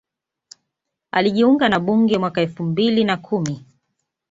Alijiunga na bunge mwaka elfu mbili na kumi